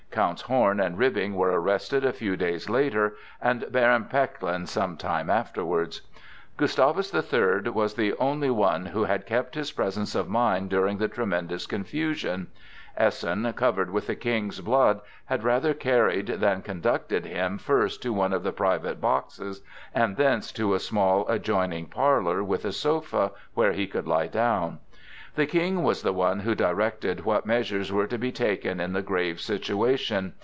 Counts Horn and Ribbing were arrested a few days later, and Baron Pechlin some time afterwards. Gustavus the Third was the only one who had kept his presence of mind during the tremendous confusion. Essen, covered with the King's blood, had rather carried than conducted him first to one of the private boxes and thence to a small adjoining parlor with a sofa, where he could lie down. The King was the one who directed what measures were to be taken in the grave situation.